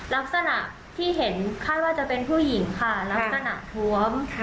ลักษณะที่เห็นคาดว่าจะเป็นผู้หญิงค่ะลักษณะท้วม